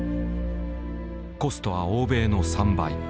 コストは欧米の３倍。